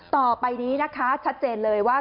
ต่อไปนี้นะคะชัดเจนเลยว่า